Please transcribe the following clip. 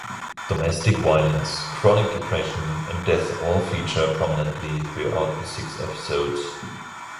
Domestic violence, chronic depression and death all feature prominently throughout the six episodes.